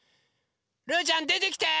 ルーちゃんでてきて！